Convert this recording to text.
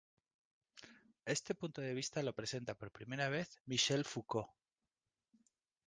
Este punto de vista lo presenta por primera vez Michel Foucault.